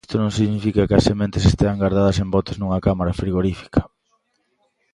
Isto non significa que as sementes estean gardadas en botes nunha cámara frigorífica.